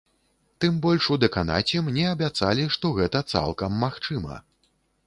Тым больш у дэканаце мне абяцалі, што гэта цалкам магчыма.